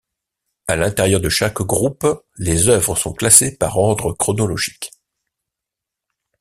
À l'intérieur de chaque groupe, les œuvres sont classées par ordre chronologique.